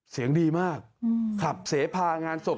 เสียงดีมากขับเสพางานศพ